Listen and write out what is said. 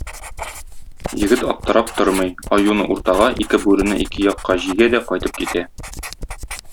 Егет аптырап тормый, аюны уртага, ике бүрене ике якка җигә дә кайтып китә.